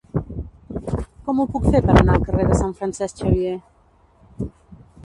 Com ho puc fer per anar al carrer de Sant Francesc Xavier?